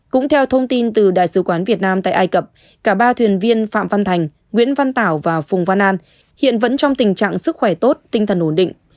cũng theo thông tin từ đại sứ quán việt nam tại ai cập cả ba thuyền viên phạm văn thành nguyễn văn tảo và phùng văn an hiện vẫn trong tình trạng sức khỏe tốt tinh thần ổn định